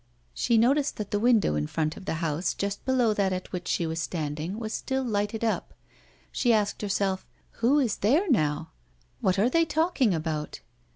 She noticed that the window in front of the house, just below that at which she was standing, was still lighted up. She asked herself: "Who is there now? What are they talking about?"